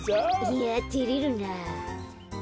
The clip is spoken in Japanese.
いやてれるなあ。